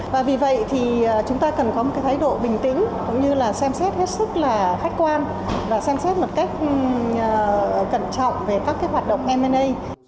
và vì vậy thì chúng ta cần có một cái thái độ bình tĩnh cũng như là xem xét hết sức là khách quan và xem xét một cách cẩn trọng về các cái hoạt động men a